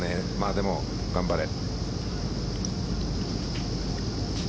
でも、頑張れ。